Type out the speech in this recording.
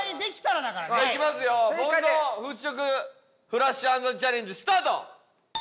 フラッシュ暗算チャレンジスタート！